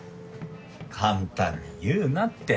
簡単に言うなって。